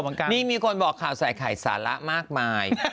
พี่หนุ่มให้อะไรมา